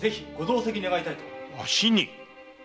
わしに？